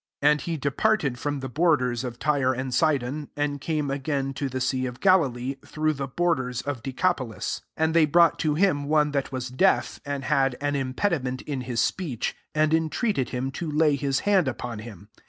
31 And he departed from the borders of Tyre and Sidon, and came again to the sea of Galilee, through the borders of Decapo 86 MARK VUI. lis. 32 And they brought to htm one that was deaf, and had an impediment in his speech, and entreated him to lay hb hand upon him.